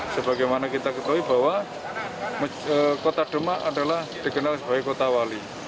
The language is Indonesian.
sebagaimana kita ketahui bahwa kota demak adalah dikenal sebagai kota wali